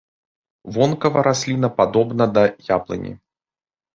Вонкава расліна падобна да яблыні.